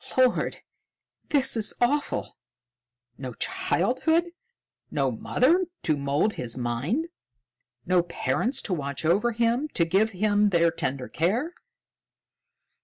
"Lord! This is awful. No childhood; no mother to mould his mind! No parents to watch over him, to give him their tender care!"